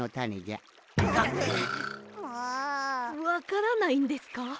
わからないんですか？